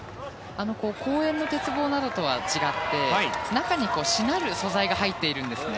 公園の鉄棒などとは違って中にしなる素材が入っているんですね。